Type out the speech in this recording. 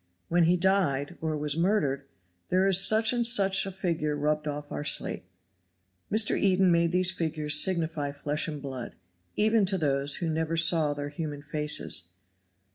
When he died or was murdered, "There is such and such a figure rubbed off our slate." Mr. Eden made these figures signify flesh and blood, even to those who never saw their human faces.